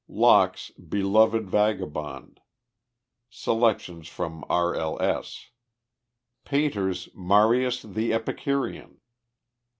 Locke's "Beloved Vagabond." Selections from R.L.S. Pater's "Marius the Epicurean."